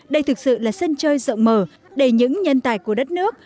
đây thực sự là sân chơi rộng mở để những nhân tài của đất nước